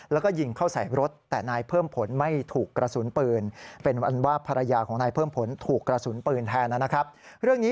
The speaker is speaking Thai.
แล้วก็ยิงเข้าใส่รถแต่นายเพิ่มผลไม่ถูกกระสุนปืน